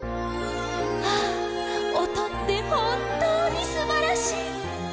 あ音って本当にすばらしい！